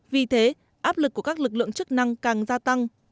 vì thế áp lực của các lực lượng chức năng càng gia tăng